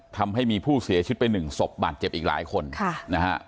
ทำให้มีผู้เสียชีวิตไปหนึ่งศพบาดเจ็บอีกหลายคนค่ะนะฮะ